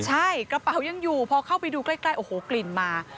ใช่กระเป๋ายังอยู่พอเข้าไปดูใกล้โอ้โหกลิ่นมา